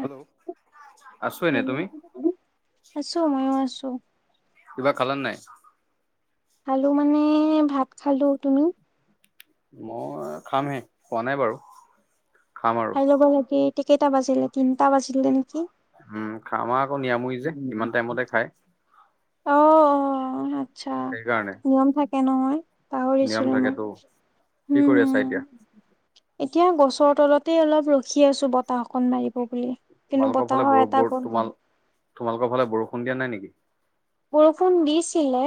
Hello আছো এনে তুমি আছো, ময়ো আছো। কিবা খালা ন নাই? খালো মানে, ভাত খালো। তুমি? মই খামহে, খোৱা নাই বাৰু। খাম আৰু খাই ল'ব লাগে। এতিয়া, কেইটা বাজিলে তিনটা বাজিলে নেকি? উম, খাম আমাৰ আকৌ নিৰামৰি যে ইমান টাইমতে খায়। আচছা, সেইকাৰণে নিয়ম থাকে নহয়। নিয়ম পাহৰিছিলো মই, থাকেতো কি হম- কৰি আছা হম। এতিয়া এতিয়া গছৰ তলতেই অলপ ৰখি আছো বতাহক মাৰিব বুলি। কিন্তু তোমালোকৰ ফালে বতাহৰ বৰ এটা বৰ ব তোমাল তোমালোকৰ ফালে বৰষুন দিয়া নাই নেকি? বৰষুণ দিছিলে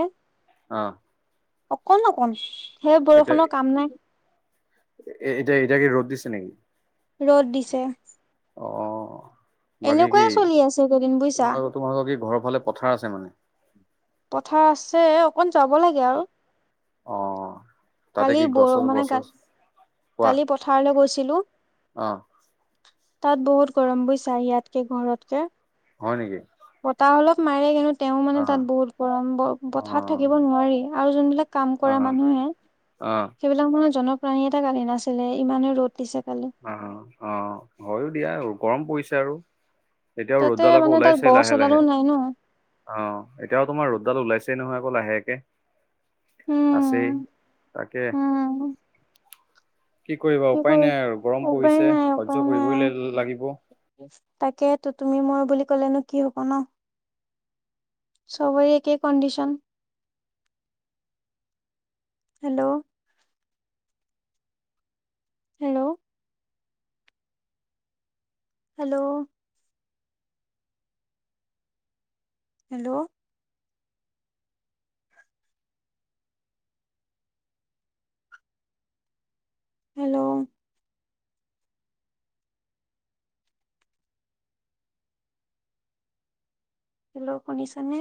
অ অকণ - অকণ। এতিয়া, এতিয়া -এতিয়া কি ৰ'দ দিছে নেকি? ৰ'দ দিছে। অ বাকী কি, এনেকুৱাই চলি আছে এইকেইদিন বুজিছা তোমালোকৰ- তোমালোকৰ কি ঘৰৰ ফালে পথাৰ আছে মানে? পথাৰ আছে, অকণ যাব লাগে আৰু। অ', তাতে কালি কি বৰ গছ মানে গছ কালি চছ পোৱা কালি পথাৰলৈ গৈছিলো অ তাত বহুত গৰম বুইচা, ইয়াতকে ঘৰতকে হয় নেকি? বতাহ অলপ মাৰে কিন্তু তেওঁ মানে অ তাত বহুত গৰম, অ পথাৰত থাকিব নোৱাৰি, আৰু যোনবিলাক কাম অ কৰা মানুহে অ সেইবিলাক মানু্হৰ জনপ্ৰাণী এটা কালি নাছিলে ইমানে ৰ'দ। দিছে কালি অ', অ', হয়ো দিয়া গৰম পৰিছে আৰু। এতিয়াও, তাতে ৰ'দডালকো মানে তাত ওলাইছে গছ লাহে - এডালো লাহে। নাই ন অ', এতিয়াও, তোমাৰ ৰ'দডাল ওলাইছেই নহয়। লাহেকে, আছেই, উম তাকে। উম কি কৰিবা উপায় নাই, আৰু গৰম উপায় পৰিছে নাই সহ্য কৰিবই লাগিব। তাকে তো তুমি মই বুলি ক'লেনো কি হব ন? চবৰে একেই condition. Hello. Hello. Hello. Hello. Hello. Hello, শুনিছা নে?